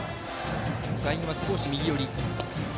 外野は少し右寄り。